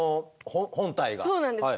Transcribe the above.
そうなんです。